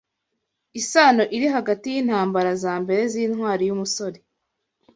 Isano iri hagati yintambara za mbere zintwari yumusore